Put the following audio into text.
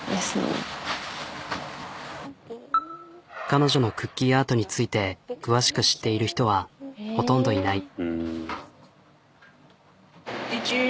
彼女のクッキーアートについて詳しく知っている人はほとんどいない。